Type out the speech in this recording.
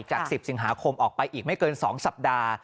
จาก๑๐สิงหาคมออกไปอีกไม่เกิน๒สัปดาห์